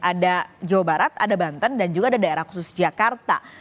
ada jawa barat ada banten dan juga ada daerah khusus jakarta